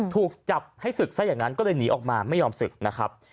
ถูกจับให้ศึกซะอย่างนั้นก็เลยหนีออกมาไม่ยอมศึกนะครับ